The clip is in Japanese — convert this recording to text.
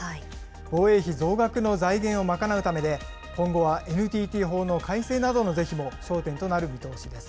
防衛費増額の財源を賄うためで、今後はＮＴＴ法の改正などの是非も焦点となる見通しです。